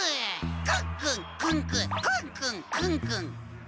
クンクンクンクンクンクンクンクン。